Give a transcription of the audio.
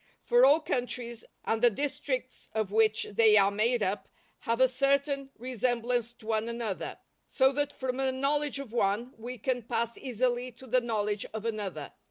For all countries, and the districts of which they are made up, have a certain resemblance to one another, so that from a knowledge of one we can pass easily to the knowledge of another.